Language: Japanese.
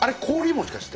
もしかして。